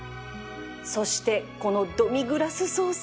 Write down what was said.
そしてこのドミグラスソース